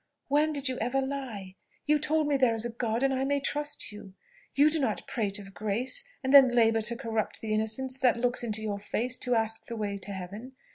"When did you ever lie? You tell me there is a God, and I may trust you. You do not prate of grace, and then labour to corrupt the innocence that looks into your face to ask the way to Heaven.